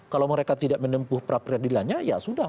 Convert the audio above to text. kalau mereka tidak menempuh pra peradilannya ya sudah